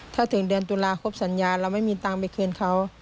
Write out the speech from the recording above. ถ้าถึงเดือนตุลาครบสัญญาเราไม่มีตังค์ไปคืนเขา